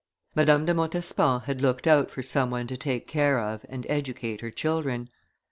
Madame de Montespan had looked out for some one to take care of and educate her children.